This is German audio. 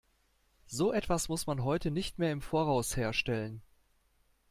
So etwas muss man heute nicht mehr im Voraus herstellen.